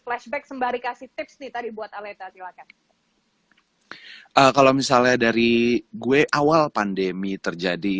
flashback sembari kasih tips nih tadi buat aleta silakan kalau misalnya dari gue awal pandemi terjadi